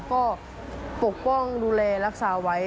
ก็ปกป้องดูแลรักษาไว้